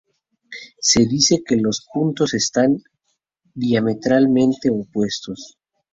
Se dice que los puntos están "diametralmente opuestos".